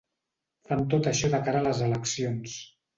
Fan tot això de cara a les eleccions.